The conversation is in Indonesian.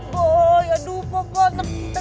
boy aduh pokoknya